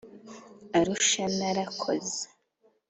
Arusha narakoze